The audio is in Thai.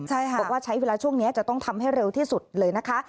บอกว่าใช้เวลาช่วงนี้จะต้องทำให้เร็วที่สุดเลยนะคะ